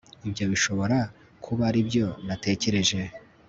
Ibyo bishobora kuba aribyo natekereje